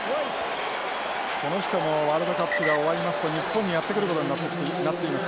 この人もワールドカップが終わりますと日本にやって来ることになっています